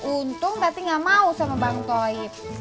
untung tapi gak mau sama bang toib